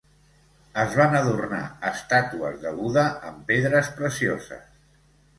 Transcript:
Es van adornar estàtues de Buda amb pedres precioses.